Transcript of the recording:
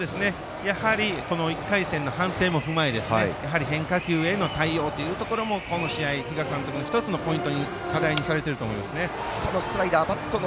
やはり、この１回戦の反省も生かして変化球への対応というところもこの試合、比嘉監督が１つ課題にされている思います。